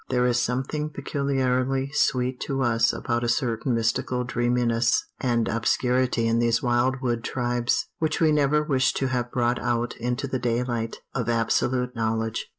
There is something peculiarly sweet to us about a certain mystical dreaminess and obscurity in these wild wood tribes, which we never wish to have brought out into the daylight of absolute knowledge.